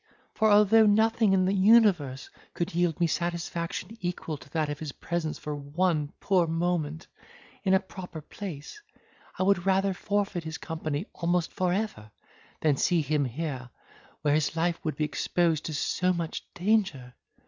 for although nothing in the universe could yield me satisfaction equal to that of his presence for one poor moment, in a proper place, I would rather forfeit his company—almost for ever, than see him here, where his life would be exposed to so much danger."